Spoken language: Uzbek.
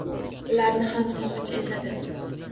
Ularni ham sogʻinch ezadi